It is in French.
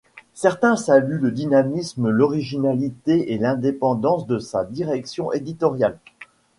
Certains saluent le dynamisme, l'originalité et l'indépendance de sa direction éditoriale.